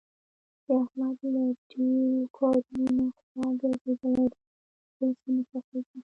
د احمد له ډېرو کارونو نه خوا ګرځېدلې ده. اوس یې نه خوښږېږي.